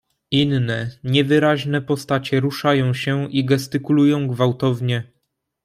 "Inne, niewyraźne postacie ruszają się i gestykulują gwałtownie."